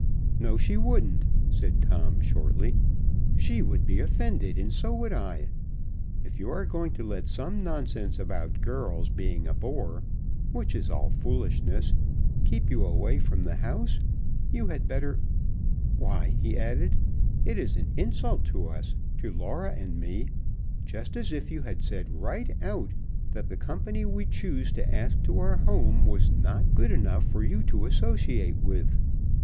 "No, she wouldn't," said Tom shortly. "She would be offended, and so would I. If you are going to let some nonsense about girls being a bore, which is all foolishness keep you away from the house, you had better Why," he added, "it is an insult to us to Laura and me just as if you said right out that the company we choose to ask to our home was not good enough for you to associate with.